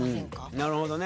なるほどね。